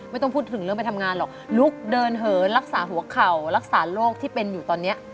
ไม่ต้องพูดถึงเรื่องไปทำงานหรอกลุกเดินเหินรักษาหัวเข่ารักษาโรคที่เป็นอยู่ตอนนี้